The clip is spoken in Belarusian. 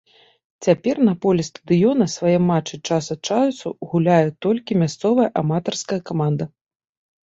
Цяпер на полі стадыёна свае матчы час ад часу гуляе толькі мясцовая аматарская каманда.